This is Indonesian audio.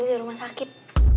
di rumah sakit